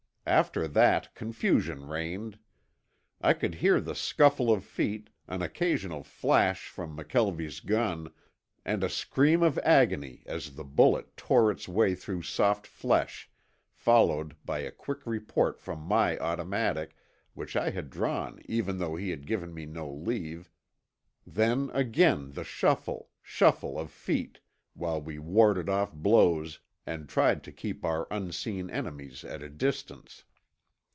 After that, confusion reigned. I could hear the scuffle of feet, an occasional flash from McKelvie's gun, and a scream of agony as the bullet tore its way through soft flesh, followed by a quick report from my automatic, which I had drawn even though he had given me no leave, then again the shuffle, shuffle of feet, while we warded off blows and tried to keep our unseen enemies at a distance.